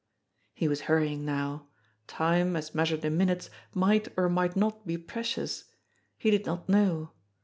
He was hurrying now. Time, as measured in minutes, might or might not be precious. He did not know.